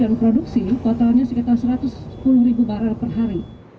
dan produksi totalnya sekitar satu ratus sepuluh ribu barang per hari